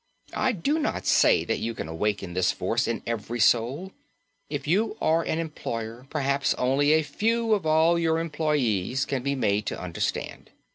I do not say that you can awaken this force in every soul. If you are an employer, perhaps only a few of all your employees can be made to understand.